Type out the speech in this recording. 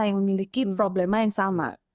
yang memiliki problema yang sama